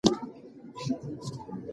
دا کیسه به د ډېرو خلکو لپاره یو عبرت وي.